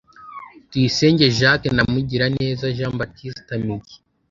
Tuyisenge Jacques na Mugiraneza Jean Baptiste Migi